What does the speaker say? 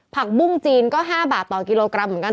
ผักบุ้งจีนก็๕บาทต่อกิโลกรัมเหมือนกัน